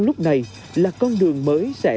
lúc này là con đường mới sẽ